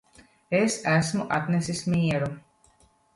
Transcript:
Es esmu atnesis mieru